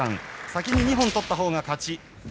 先に２本取った方が勝ち。